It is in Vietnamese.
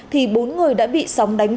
thì bốn người đã bị sóng đánh